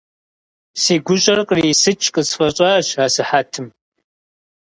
Си гущӀэр кърисыкӀ къысфӀэщӀащ асыхьэтым.